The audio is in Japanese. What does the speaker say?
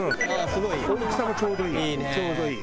大きさもちょうどいい。